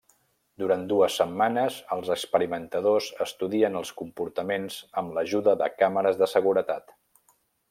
Durant dues setmanes, els experimentadors estudien els comportaments amb l'ajuda de càmeres de seguretat.